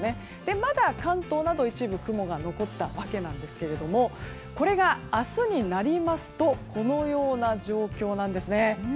まだ、関東など一部雲が残ったわけですがこれが、明日になりますとこのような状況なんですね。